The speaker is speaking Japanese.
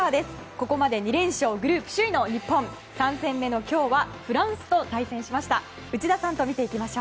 ここまで２連勝グループ首位の日本３戦目の今日はフランスと対戦しました。